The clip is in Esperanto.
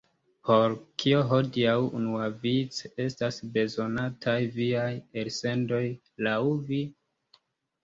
Por kio hodiaŭ unuavice estas bezonataj viaj elsendoj, laŭ vi?